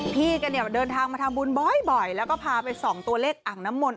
พี่กันเนี่ยเดินทางมาทำบุญบ่อยแล้วก็พาไปส่องตัวเลขอ่างน้ำมนต